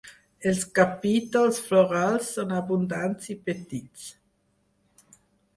Els capítols florals són abundants i petits.